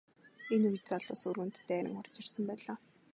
Энэ үед залуус өрөөнд дайран орж ирсэн байлаа.